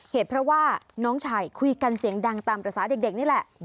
เหตุเพราะว่าน้องชายคุยกันเสียงดังตามภาษาเด็กนี่แหละ